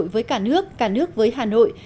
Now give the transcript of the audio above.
hà nội với cả nước cả nước với hà nội